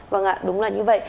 vâng ạ đúng là như vậy